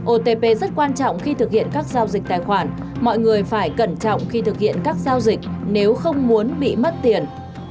otp rất quan trọng khi thực hiện các giao dịch tài khoản mọi người phải cẩn trọng khi thực hiện các giao dịch nếu không muốn bị mất tiền